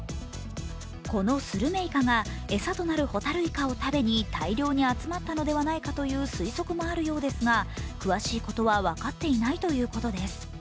このスルメイカが餌となるホタルイカを食べに大量に集まったのではないかという推測もあるようですが、詳しいことは分かっていないということです。